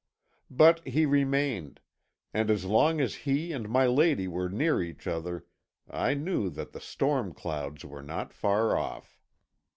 But he remained, and as long as he and my lady were near each other I knew that the storm clouds were not far off.